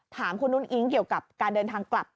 ถามคุณนุ้งอิ๊งเกี่ยวกับการเดินทางกลับ